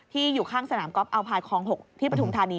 อยู่ข้างสนามก๊อฟอัลพายคลอง๖ที่ปฐุมธานี